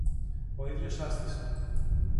Ο ίδιος σάστισε